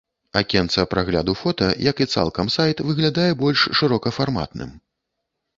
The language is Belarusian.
Акенца прагляду фота, як і цалкам сайт, выглядае больш шырокафарматным.